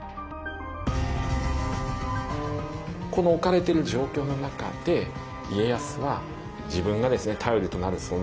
この置かれてる状況の中で家康は自分が頼りとなる存在を見極める。